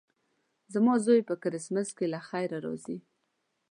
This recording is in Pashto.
زما زوی په کرېسمس کې له خیره راځي.